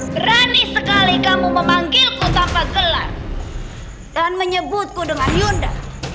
berani sekali kamu memanggilku tanpa gelar dan menyebutku dengan yunda